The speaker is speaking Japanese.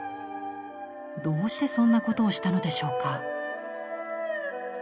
どうしてそんなことをしたのでしょうか？